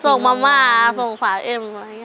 ส่งมาม่าส่งฝาเอ็มอะไรอย่างนี้